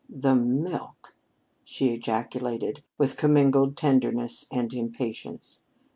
"The milk!" she ejaculated with commingled tenderness and impatience.